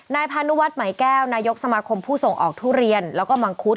พานุวัฒน์ไหมแก้วนายกสมาคมผู้ส่งออกทุเรียนแล้วก็มังคุด